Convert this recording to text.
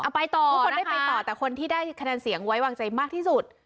ไปต่อทุกคนได้ไปต่อแต่คนที่ได้คะแนนเสียงไว้วางใจมากที่สุด